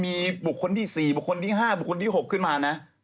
มีบุคคลที่๔บุคคลที่๕บุคคลที่๖ขึ้นมานะ